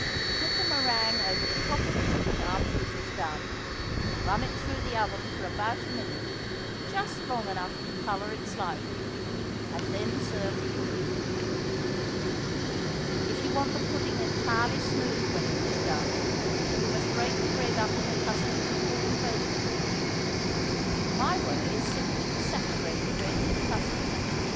Put the meringue over the top of the pudding after it is done; run it through the oven for about a minute, just long enough to color it slightly, and then serve the pudding. If you want the pudding entirely smooth when it is done, you must break the bread up in the custard before you bake it. My way is simply to saturate the bread with the custard.